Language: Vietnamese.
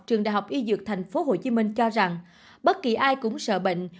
trường đại học y dược tp hcm cho rằng bất kỳ ai cũng sợ bệnh